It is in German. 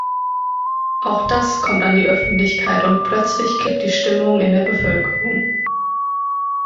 Auch das kommt an die Öffentlichkeit und plötzlich kippt die Stimmung in der Bevölkerung.